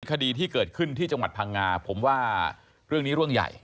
คดีที่เกิดขึ้นที่จังหวัดพังงาผมว่าเรื่องนี้เรื่องใหญ่